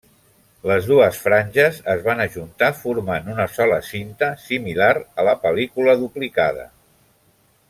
Les dues franges es van ajuntar formant una sola cinta similar a la pel·lícula duplicada.